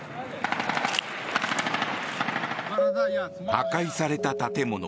破壊された建物。